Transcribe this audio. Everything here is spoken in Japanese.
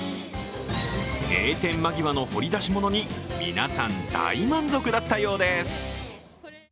閉店間際の掘り出し物に皆さん大満足だったようです。